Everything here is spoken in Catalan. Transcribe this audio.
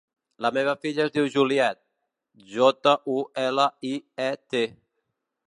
La meva filla es diu Juliet: jota, u, ela, i, e, te.